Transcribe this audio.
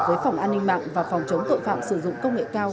với phòng an ninh mạng và phòng chống tội phạm sử dụng công nghệ cao